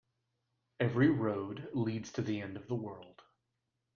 Every road leads to the end of the world.